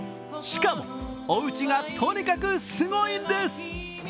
しかも、おうちがとにかくすごいんです！